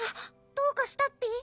どうかしたッピ？